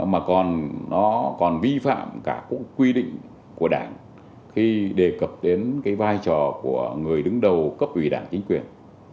mà còn nó còn vi phạm cả cũng quy định của đảng khi đề cập đến cái vai trò của người đứng đầu cấp ủy đảng chính quyền